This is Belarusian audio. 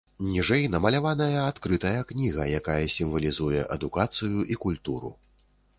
Ніжэй намаляваная адкрытая кніга, якая сімвалізуе адукацыю і культуру.